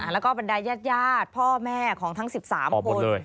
แล้วก็บรรดายญาติพ่อแม่ของทั้ง๑๓คน